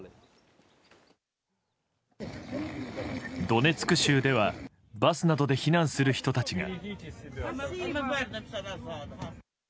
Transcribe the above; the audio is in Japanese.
ドネツク州ではバスなどで避難する人たちが。